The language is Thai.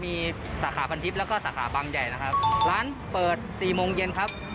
มีสาขาพันทิพย์แล้วก็สาขาบางใหญ่นะครับร้านเปิดสี่โมงเย็นครับ